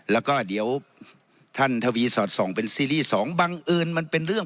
แล้วก็เดี๋ยวท่านทวีสอดส่องเป็นซีรีส์สองบังเอิญมันเป็นเรื่อง